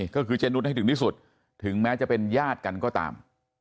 ก็คือเจนุสให้ถึงที่สุดถึงแม้จะเป็นญาติกันก็ตาม